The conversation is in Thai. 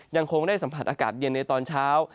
ยังคงได้สัมผัสอากาศเย็นในตอนเช้า